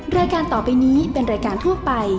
รายการต่อไปนี้เป็นรายการทั่วไป